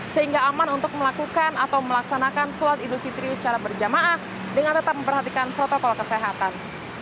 sehingga aman untuk melakukan atau melaksanakan sholat idul fitri secara berjamaah dengan tetap memperhatikan protokol kesehatan